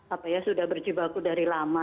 apa ya sudah berjibaku dari lama